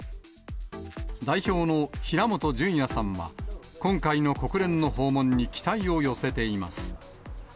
代表の平本淳也さんは、今回の国連の訪問に期待を寄せています。